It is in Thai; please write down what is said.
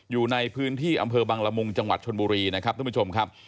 อยู่ในพื้นที่อำเภอบังละมุงจังหวัดชนบุรีนะครับท่านผู้ชมครับ